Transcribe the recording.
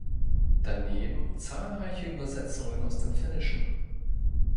Daneben zahlreiche Übersetzungen aus dem Finnischen.